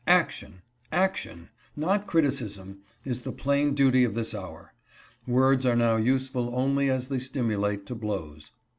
Action ! action ! not criticism, is the plain duty of this hour. Words are now useful only as they stimulate to blows.